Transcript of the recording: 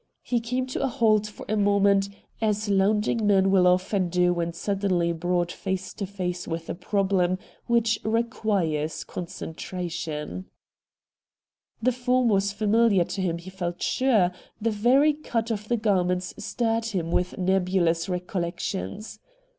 He came to a halt for a moment, as lounging men will often do when suddenly brought face to face with a problem which requires concentration. 102 RED DIAMONDS Tlie form was familiar to him he felt sure ; the very cut of the garments stirred him with nebulous recollections.